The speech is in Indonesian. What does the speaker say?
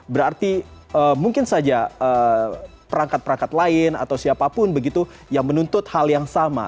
berarti mungkin saja perangkat perangkat lain atau siapapun begitu yang menuntut hal yang sama